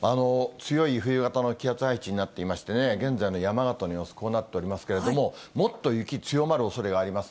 強い冬型の気圧配置になっていましてね、現在の山形の様子、こうなっておりますけれども、もっと雪強まるおそれがあります。